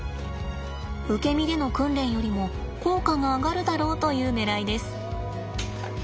受け身での訓練よりも効果が上がるだろうというねらいです。